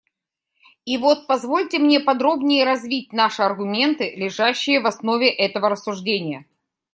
И вот позвольте мне подробнее развить наши аргументы, лежащие в основе этого рассуждения.